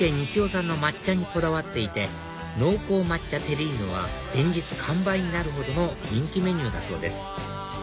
産の抹茶にこだわっていて濃厚抹茶テリーヌは連日完売になるほどの人気メニューだそうです